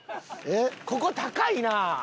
ここ高いなあ。